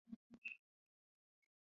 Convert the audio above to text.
瘰鳞蛇主要进食鱼类。